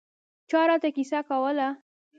چا راته کیسه کوله.